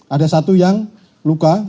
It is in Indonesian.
ada satu yang luka